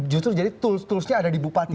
justru jadi tools toolsnya ada di bupati